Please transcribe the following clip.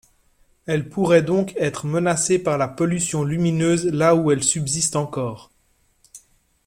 Elle pourrait donc être menacée par la pollution lumineuse là où elle subsiste encore.